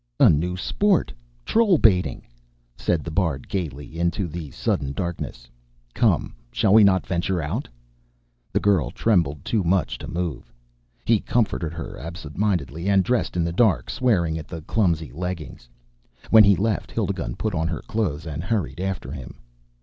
"A new sport trollbaiting," said the bard gaily into the sudden darkness. "Come, shall we not venture out?" The girl trembled too much to move. He comforted her, absentmindedly, and dressed in the dark, swearing at the clumsy leggings. When he left, Hildigund put on her clothes and hurried after him.